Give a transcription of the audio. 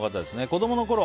子供のころ